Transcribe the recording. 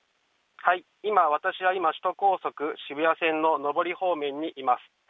今、私は首都高速渋谷線の上り方面にいます。